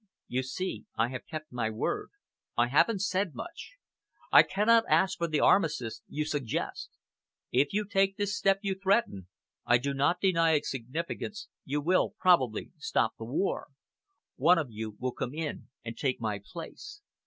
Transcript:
You see, I have kept my word I haven't said much. I cannot ask for the armistice you suggest. If you take this step you threaten I do not deny its significance you will probably stop the war. One of you will come in and take my place.